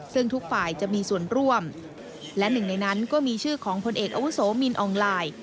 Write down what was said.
ซึ่งทุกฝ่ายจะมีส่วนร่วมและหนึ่งในนั้นก็มีชื่อของพลเอกอาวุโสมินอองไลน์